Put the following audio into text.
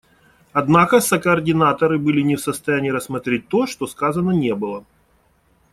Однако сокоординаторы были не в состоянии рассмотреть то, что сказано не было.